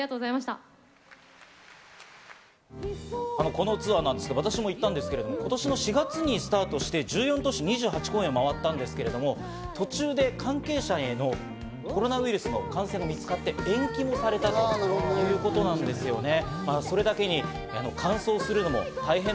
このツアーなんですけれども、今年も行ったんですけれども、今年の４月にスタートして全国１４都市、２８公演を回ったんですけれども、関係者のコロナウイルス感染が見つかって延期されたこともあったということなんですね。